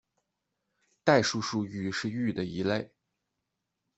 代数数域是域的一类。